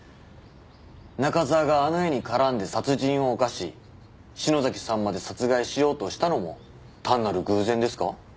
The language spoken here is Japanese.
中沢があの家に絡んで殺人を犯し篠崎さんまで殺害しようとしたのも単なる偶然ですか？